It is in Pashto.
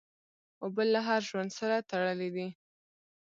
اوبه له هر ژوند سره تړلي دي.